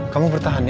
kamu bertahan ya